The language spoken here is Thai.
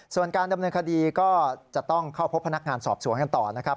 ส่วนการดำเนินคดีก็จะต้องเข้าพบพนักงานสอบสวนกันต่อนะครับ